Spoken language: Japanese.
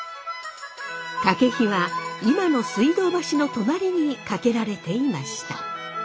掛は今の水道橋の隣にかけられていました。